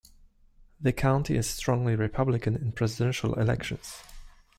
The county is strongly Republican in presidential elections.